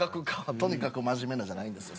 「とにかくマジメな」じゃないんですよ